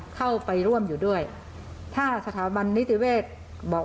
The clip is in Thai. คำพูดไม่ตอบค่ะ